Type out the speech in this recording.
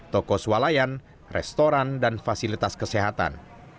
toko swalayan restoran dan fasilitas kesehatan